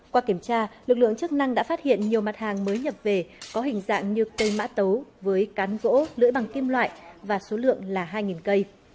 qua kiểm tra lực lượng chức năng đã phát hiện nhiều mặt hàng mới nhập về có hình dạng như cây mã tấu với cán gỗ lưỡi bằng kim loại và số lượng là hai cây